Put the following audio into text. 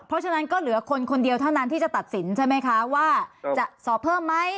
เพราะฉะนั้นก็เหลือคนคนเดียวเท่านั้นที่จะตัดสินใช่ไหมคะว่าจะสอบเพิ่มไหม